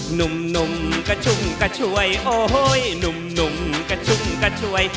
หนุ่มก็ชุ่มก็ช่วยหนุ่มก็ชุ่มก็ช่วย